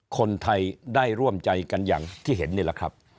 คนไทยได้ร่วมใจกันอย่างที่เห็นนี่แหละครับ